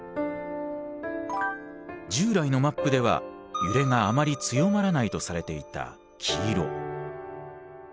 従来のマップでは揺れがあまり強まらないとされていた黄色。